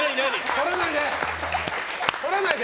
掘らないで！